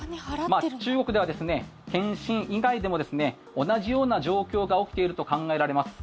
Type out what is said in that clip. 中国では天津以外でも同じような状況が起きていると考えられます。